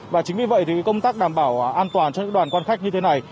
và chính vì vậy thì công tác đảm bảo an toàn cho những đoàn quan khách như thế này